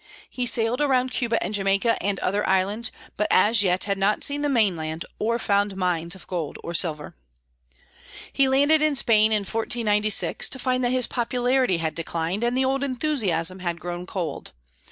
He sailed around Cuba and Jamaica and other islands, but as yet had not seen the mainland or found mines of gold or silver. He landed in Spain, in 1496, to find that his popularity had declined and the old enthusiasm had grown cold.